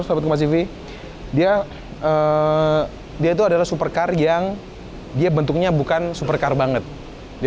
sama sivi dia recep di heto adalah super car yang dia bentuknya bukan supercar banget di